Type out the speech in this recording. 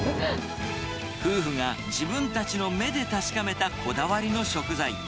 夫婦が自分たちの目で確かめたこだわりの食材。